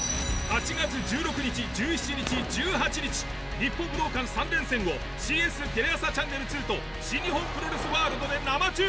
８月１６日１７日１８日日本武道館３連戦を ＣＳ テレ朝チャンネル２と新日本プロレスワールドで生中継